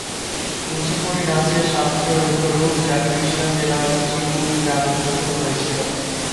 কুচিপুড়ি রাজ্যের শাস্ত্রীয় নৃত্য রূপ, যা কৃষ্ণা জেলার কুচিপুড়ি গ্রামে উদ্ভূত হয়েছিল।